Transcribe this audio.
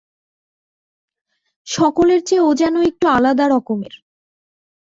সকলের চেয়ে ও যেন একটু আলাদা রকমের।